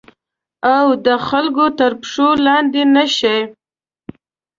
او د خلګو تر پښو لاندي نه شي